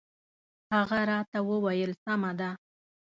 هغه راته وویل سمه ده.